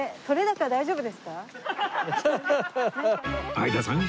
相田さん